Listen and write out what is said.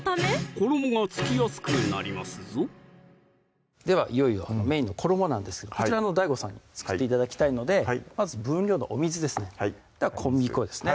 衣が付きやすくなりますぞではいよいよメインの衣なんですがこちらＤＡＩＧＯさんに作って頂きたいのでまず分量のお水ですね小麦粉ですね